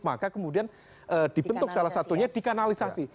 maka kemudian dibentuk salah satunya dikanalisasi